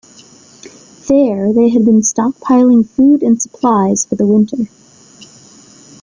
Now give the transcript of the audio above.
There they had been stockpiling food and supplies for the winter.